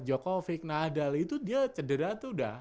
jokowi nadal itu dia cedera tuh udah